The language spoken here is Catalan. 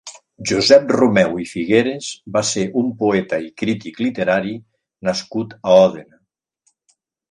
Josep Romeu i Figueras va ser un poeta i crític literari nascut a Òdena.